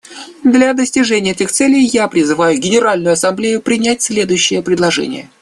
Для достижения этих целей я призываю Генеральную Ассамблею принять следующие предложения.